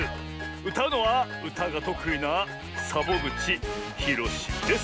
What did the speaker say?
うたうのはうたがとくいなサボぐちひろしです！